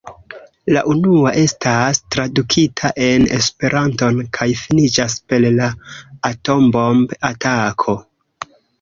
La unua estas tradukita en Esperanton kaj finiĝas per la atombomb-atako.